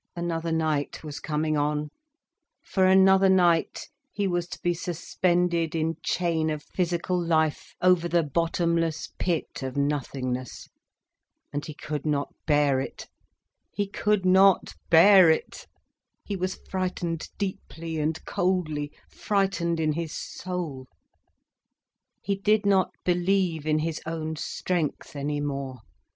Another night was coming on, for another night he was to be suspended in chain of physical life, over the bottomless pit of nothingness. And he could not bear it. He could not bear it. He was frightened deeply, and coldly, frightened in his soul. He did not believe in his own strength any more.